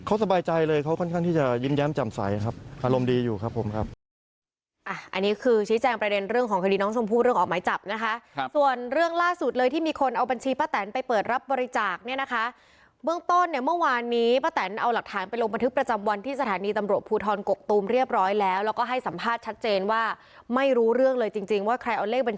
เขาสบายใจเลยเขาค่อนข้างที่จะยิ้มแย้มจำใสครับอารมณ์ดีอยู่ครับผมครับ